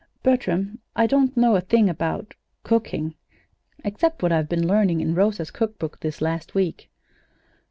"Bertram, I don't know a thing about cooking except what I've been learning in Rosa's cook book this last week."